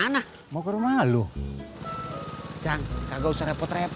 saya dari besar